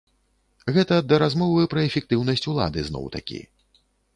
Гэта да размовы пра эфектыўнасць улады зноў-такі.